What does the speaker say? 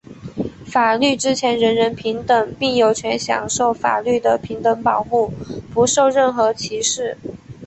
法律之前人人平等,并有权享受法律的平等保护,不受任何歧视。